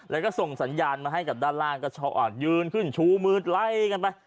แล้วก็ส่งสัญญาณมาให้กับด้านล่างก็ชอบยืนขึ้นชูมือไล่กันไป